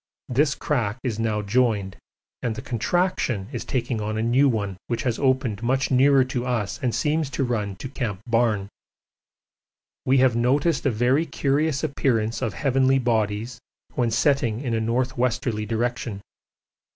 This crack is now joined, and the contraction is taking on a new one which has opened much nearer to us and seems to run to C. Barne. We have noticed a very curious appearance of heavenly bodies when setting in a north westerly direction.